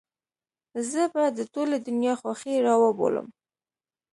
زه به د ټولې دنيا خوښۍ راوبولم.